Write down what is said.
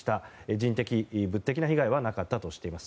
人的、物的な被害はなかったとしています。